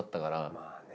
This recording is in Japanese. まあね。